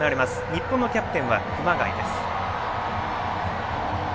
日本のキャプテンは熊谷。